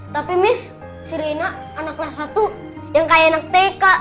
tapi miss si reina anak kelas satu yang kayak anak tk